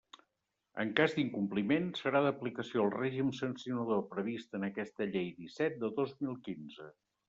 En cas d'incompliment, serà d'aplicació el règim sancionador previst en aquesta Llei disset de dos mil quinze.